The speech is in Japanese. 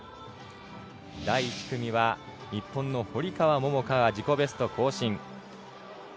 第１組は日本の堀川桃香が自己ベスト更新。